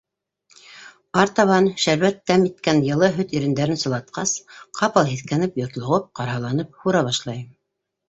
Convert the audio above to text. Артабан, шәрбәт тәм иткән йылы һөт ирендәрен сылатҡас, ҡапыл һиҫкәнеп, йотлоғоп-ҡарһаланып һура башлай.